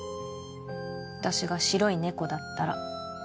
私が白いねこだったら